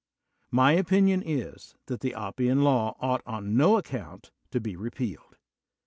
My opinioi} is that the Oppian Law ought on no account tc be repealed.